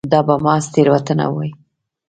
دا به محض تېروتنه وي.